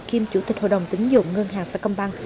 kiêm chủ tịch hội đồng tính dụng ngân hàng sà công băng